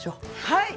はい。